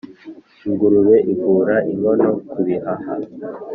-Ingurube ivura inkono kubihaha